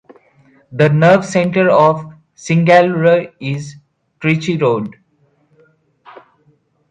The nerve centre of Singanallur is Trichy Road.